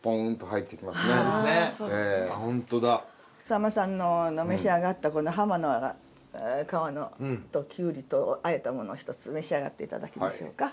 草間さんの召し上がった鱧の皮ときゅうりとをあえたものをひとつ召し上がって頂きましょうか。